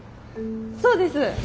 そうです。